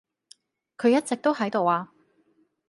佢一直都喺度呀